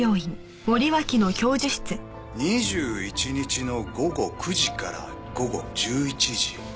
２１日の午後９時から午後１１時？